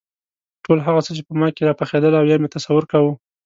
ټول هغه څه چې په ما کې راپخېدل او یا مې تصور کاوه.